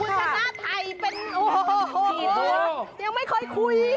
คุณชนะไทยเป็นโอ้โหยังไม่เคยคุย